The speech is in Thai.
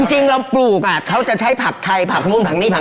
เราปลูกอะเขาจะใช้ผักไทยผักมุ่มภังด้าน